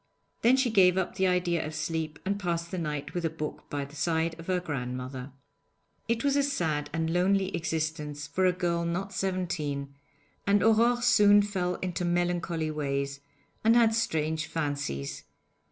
Then she gave up the idea of sleep, and passed the night with a book by the side of her grandmother. It was a sad and lonely existence for a girl not seventeen, and Aurore soon fell into melancholy ways, and had strange fancies.